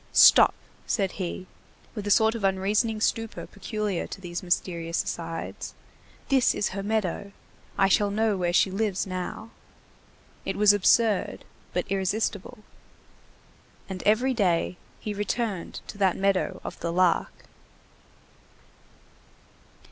—"Stop," said he with a sort of unreasoning stupor peculiar to these mysterious asides, "this is her meadow. I shall know where she lives now." It was absurd, but irresistible. And every day he returned to that meadow of the Lark.